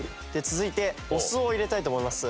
続いてお酢を入れたいと思います。